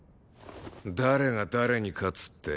誰が誰に勝つって？